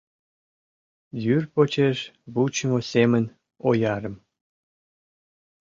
Йӱр почеш вучымо семын оярым